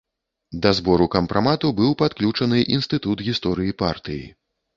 Да збору кампрамату быў падключаны інстытут гісторыі партыі.